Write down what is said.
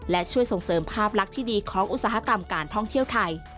และช่วยส่งเสริมภาพลักษณ์ที่ดีของอุตสาหกรรมการท่องเที่ยวไทย